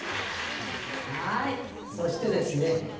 はいそしてですね